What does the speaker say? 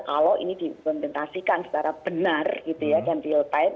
kalau ini diimplementasikan secara benar gitu ya dan real time